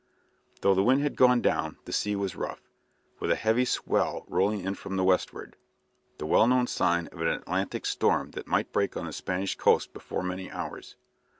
Though the wind had gone down the sea was rough, with a heavy swell rolling in from the westward, the well known sign of an Atlantic storm that might break on the Spanish coast before many hours.